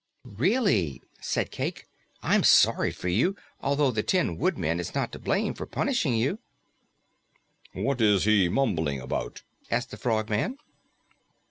"Really," said Cayke, "I'm sorry for you, although the Tin Woodman is not to blame for punishing you." "What is he mumbling about?" asked the Frogman.